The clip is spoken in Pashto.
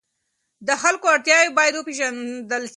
د خلکو اړتیاوې باید وپېژندل سي.